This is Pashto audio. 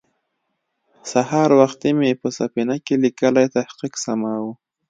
سهار وختې مې په سفينه کې ليکلی تحقيق سماوه.